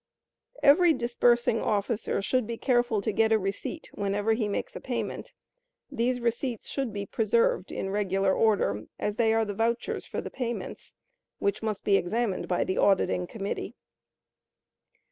Every disbursing officer should be careful to get a receipt whenever he makes a payment; these receipts should be preserved in regular order, as they are the vouchers for the payments, which must be examined by the auditing committee.